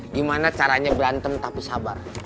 gimana caranya berantem tapi sabar